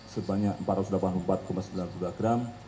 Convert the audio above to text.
sebanyak empat ratus delapan puluh empat sembilan puluh dua gram